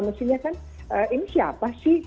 mestinya kan ini siapa sih